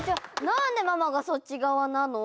なんでママがそっちがわなの？